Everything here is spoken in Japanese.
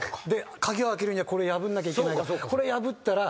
鍵を開けるにはこれ破んなきゃいけないから。